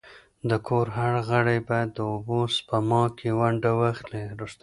د کور هر غړی باید د اوبو سپما کي ونډه واخلي.